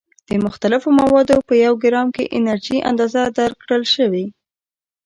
د مختلفو موادو په یو ګرام کې انرژي اندازه درکړل شوې.